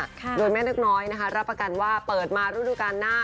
ค่ะโดยแม่นึกน้อยนะคะรับประกันว่าเปิดมาฤดูการหน้า